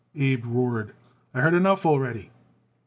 Abe roared. "I heard enough already."